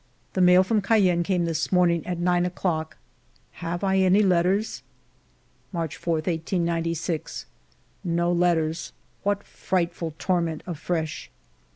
The mail from Cayenne came this morning at nine o'clock. Have I any letters } March 4, 1896. No letters. What frightful torment afresh